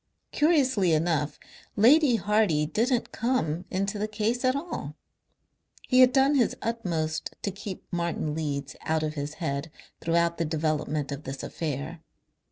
Curiously enough Lady Hardy didn't come into the case at all. He had done his utmost to keep Martin Leeds out of his head throughout the development of this affair.